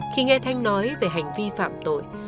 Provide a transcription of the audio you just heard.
khi nghe thanh nói về hành vi phạm tội